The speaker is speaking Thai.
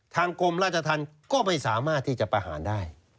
กรมราชธรรมก็ไม่สามารถที่จะประหารได้